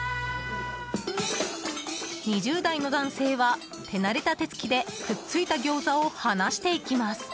２０代の男性は手慣れた手つきでくっついた餃子を離していきます。